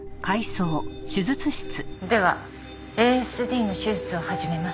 ではＡＳＤの手術を始めます。